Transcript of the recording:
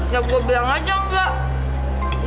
ya gue bilang aja enggak